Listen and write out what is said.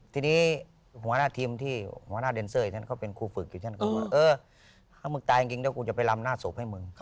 ทีนี้หัวหน้าทีมที่หัวหน้าเดนเซอร์อีกท่านเขาเป็นครูฝึกอยู่ท่านก็ว่าเออถ้ามึงตายจริงแล้วกูจะไปลำหน้าศพให้มึง